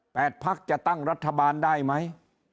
พักจะตั้งรัฐบาลได้ไหม